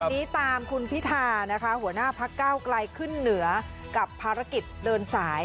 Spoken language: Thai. มีตามคุณพิทาหัวหน้าพระเก้าไกลขึ้นเหนือกับภารกิจเดินสาย